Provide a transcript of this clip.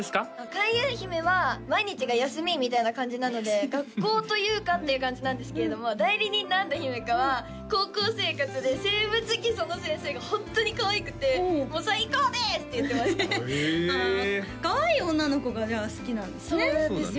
開運姫は毎日が休みみたいな感じなので学校というかっていう感じなんですけれども代理人の安土姫華は高校生活で生物基礎の先生がホントにかわいくてもう最高です！って言ってましたへえあかわいい女の子がじゃあ好きなんですねそうなんですよ